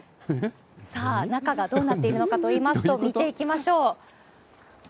さあ、中がどうなっているのかといいますと、見ていきましょう。